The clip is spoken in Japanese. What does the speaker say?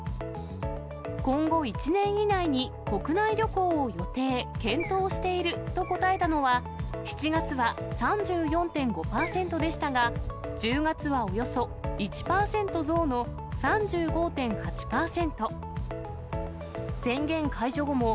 今後１年以内に国内旅行を予定、検討していると答えたのは、７月は３４．５％でしたが、１０月はおよそ１％増の３５．８％。